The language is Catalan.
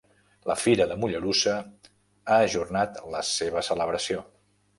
La Fira de Mollerussa ha ajornat la seva celebració.